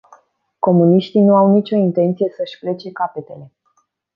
Comuniștii nu au nicio intenție să-și plece capetele.